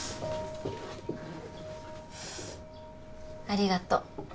ありがと。